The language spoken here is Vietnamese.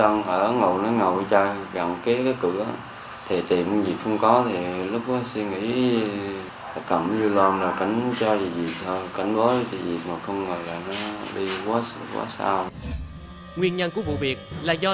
nguyên nhân của vụ việc là do trẻ trẻ trẻ trẻ trẻ trẻ trẻ trẻ trẻ trẻ trẻ trẻ trẻ trẻ trẻ trẻ trẻ trẻ trẻ trẻ trẻ trẻ trẻ trẻ trẻ trẻ